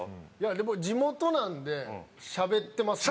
でも地元なんでしゃべってますね。